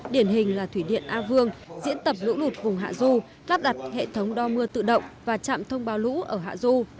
điển hình là thủy điện a vương diễn tập lũ lụt vùng hạ du lắp đặt hệ thống đo mưa tự động và trạm thông báo lũ ở hạ du